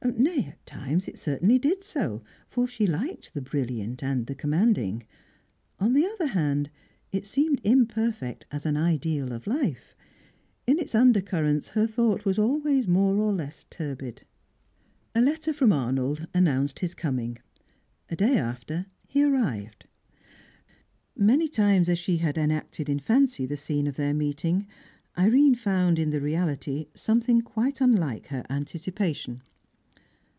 Nay, at times it certainly did so, for she liked the brilliant and the commanding. On the other hand, it seemed imperfect as an ideal of life. In its undercurrents her thought was always more or less turbid. A letter from Arnold announced his coming. A day after, he arrived. Many times as she had enacted in fancy the scene of their meeting, Irene found in the reality something quite unlike her anticipation.